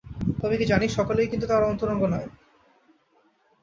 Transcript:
তবে কি জানিস, সকলেই কিন্তু তাঁর অন্তরঙ্গ নয়।